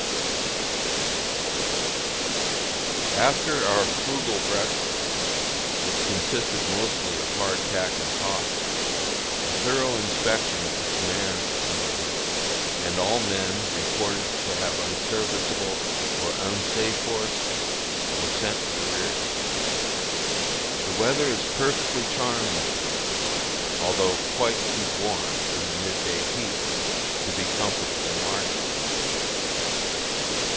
After our frugal breakfast, which consisted mostly of hard tack and coffee, a thorough inspection of the command was made, and all men reported to have unserviceable or unsafe horses, were sent to the rear. The weather is perfectly charming to day, although quite too warm, in the midday heat, to be comfortable marching.